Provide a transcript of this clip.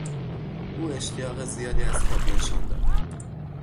او اشتیاق زیادی از خود نشان داد.